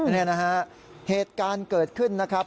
นี่นะฮะเหตุการณ์เกิดขึ้นนะครับ